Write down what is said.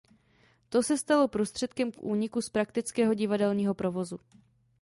To se stalo prostředkem k úniku z praktického divadelního provozu.